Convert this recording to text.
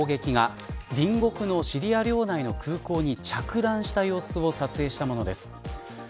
これはイスラエル軍による砲撃が隣国のシリア領内の空港に着弾した様子を撮影したものです。